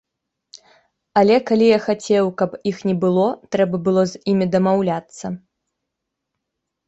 Але калі я хацеў, каб іх не было, трэба было з імі дамаўляцца.